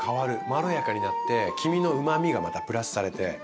まろやかになって黄身のうまみがまたプラスされて。